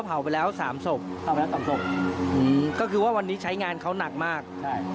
เผาไปแล้ว๓ศพก็คือว่าวันนี้ใช้งานเขาหนักมาก